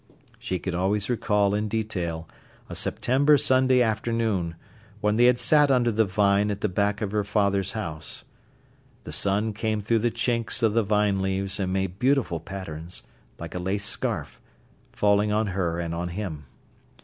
She could always recall in detail a September Sunday afternoon, when they had sat under the vine at the back of her father's house. The sun came through the chinks of the vine leaves and made beautiful patterns, like a lace scarf, falling on her and on him.